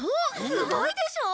すごいでしょ。